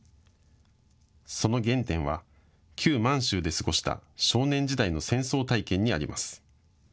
その原点は旧満州で過ごした少年時代の戦争体験にあります。